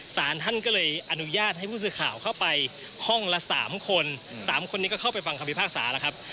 สารท่านก็เลยอนุญาตให้ผู้สื่อข่าวเข้าไปห้องละ๓คน๓คนนี้ก็เข้าไปฟังคำพิพากษาแล้วครับ